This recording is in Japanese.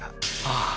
ああ！